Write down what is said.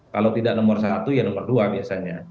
kalau tidak nomor satu ya nomor dua biasanya